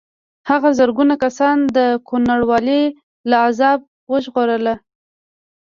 هغه زرګونه کسان د کوڼوالي له عذابه وژغورل.